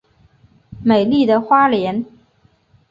美丽的花莲